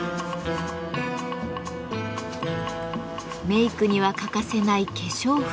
メークには欠かせない化粧筆。